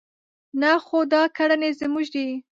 نه خو دا کړنې زموږ دي.